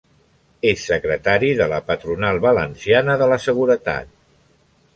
És secretari de la patronal valenciana de la seguretat.